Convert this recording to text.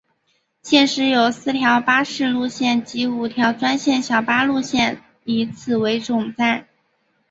现时有四条巴士路线及五条专线小巴路线以此为总站。